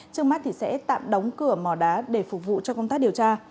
trước mắt sẽ tạm đóng cửa mỏ đá để phục vụ cho công tác điều tra